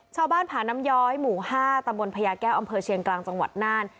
ผาน้ำย้อยหมู่๕ตำบลพญาแก้วอำเภอเชียงกลางจังหวัดน่าน